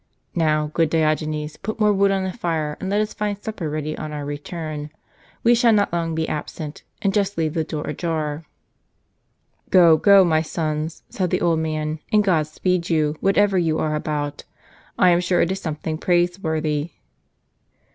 Now, good Diogenes, put more wood on the fire, and let us find supper ready on our return. We shall not be long absent; and just leave the door ajar." " Go, go, my sons," said the old man, " and God speed you! whatever you are about, I am sure it is something praiseworthy."